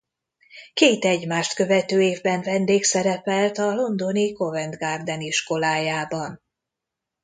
Két egymást követő évben vendégszerepelt a londoni Covent Garden iskolájában.